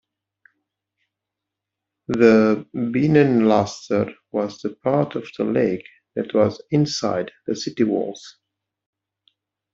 The Binnenalster was the part of the lake that was "inside" the city walls.